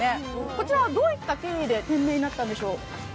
こちらはどういった経緯で店名になったんでしょう？